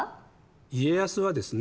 家康はですね